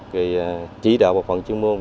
thì chỉ đạo bộ phận chuyên môn